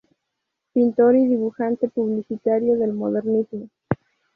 Pintor y dibujante publicitario del modernismo.